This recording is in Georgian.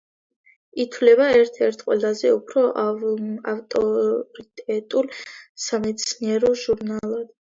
ითვლება ერთ-ერთ ყველაზე უფრო ავტორიტეტულ სამეცნიერო ჟურნალად.